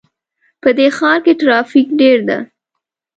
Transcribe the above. په دې ښار کې ترافیک ډېر ده